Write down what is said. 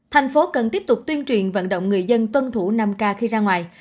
thành phố cần tiếp tục tuyên truyền vận động người dân tuân thủ năm k khi ra ngoài